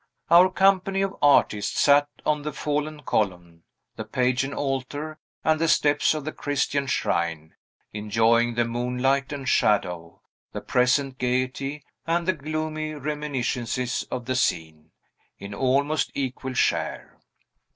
Our company of artists sat on the fallen column, the pagan altar, and the steps of the Christian shrine, enjoying the moonlight and shadow, the present gayety and the gloomy reminiscences of the scene, in almost equal share.